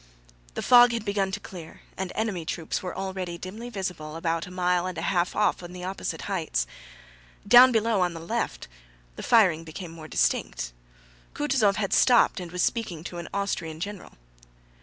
The fog had begun to clear and enemy troops were already dimly visible about a mile and a half off on the opposite heights. Down below, on the left, the firing became more distinct. Kutúzov had stopped and was speaking to an Austrian general.